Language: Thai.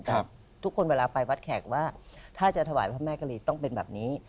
ทุกคนเวลาไปวัดแขกว่าถ้าจะถวายพระแม่กะลีต้องเป็นแบบนี้